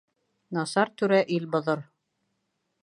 Насар түрә ил боҙор.